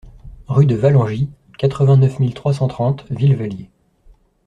Rue de Vallangis, quatre-vingt-neuf mille trois cent trente Villevallier